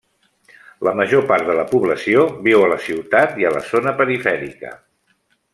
La major part de la població viu a la ciutat i a la zona perifèrica.